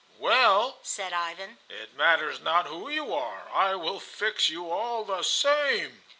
"Well," said Ivan, "it matters not who you are. I will fix you all the same."